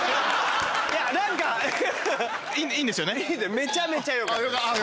めちゃめちゃよかったです。